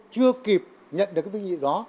chưa kịp nhận được cái vinh dự đó